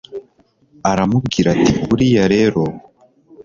aramubwira ati buriya rero